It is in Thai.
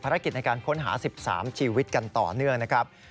ในการค้นหา๑๓ชีวิตกันต่อเนื่องนะครับ